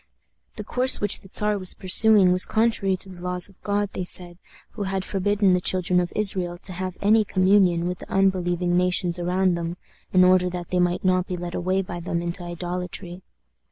The course which the Czar was pursuing was contrary to the laws of God, they said, who had forbidden the children of Israel to have any communion with the unbelieving nations around them, in order that they might not be led away by them into idolatry.